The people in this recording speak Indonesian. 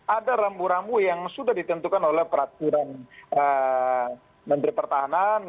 ada rambu rambu yang sudah ditentukan oleh peraturan menteri pertahanan